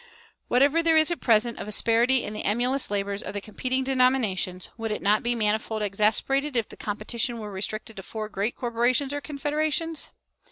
Whatever there is at present of asperity in the emulous labors of the competing denominations, would it not be manifold exasperated if the competition were restricted to four great corporations or confederations?